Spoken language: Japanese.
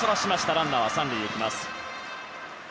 ランナーは３塁へ行きます。